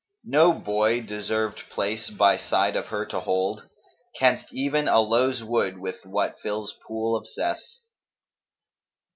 No boy deserved place by side of her to hold; * Canst even aloes wood with what fills pool of cess!'